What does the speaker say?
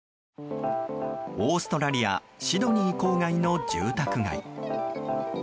オーストラリア・シドニー郊外の住宅街。